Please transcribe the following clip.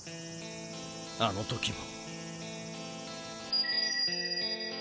あの時も。